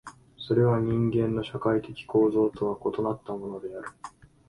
それは人間の社会的構造とは異なったものである。